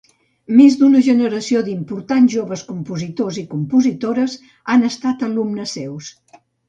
Més d'una generació d'importants joves compositors i compositores han estat alumnes seus.